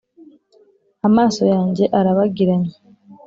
amaso yanjye arabagiranye